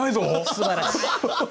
すばらしい。